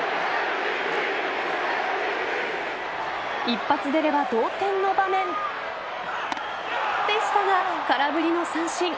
一発出れば同点の場面でしたが、空振りの三振。